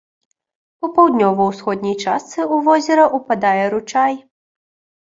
У паўднёва-ўсходняй частцы ў возера ўпадае ручай.